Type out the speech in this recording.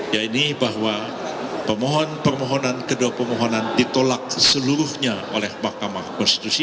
yaitu bahwa permohonan kedua pemohonan ditolak seluruhnya oleh mk